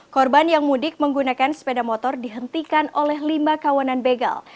korban yang mudik menggunakan sepeda motor dihentikan oleh lima kawanan begal